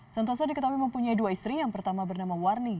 santoso diketahui mempunyai dua istri yang pertama bernama warni